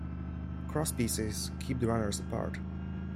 Crosspieces keep the runners apart.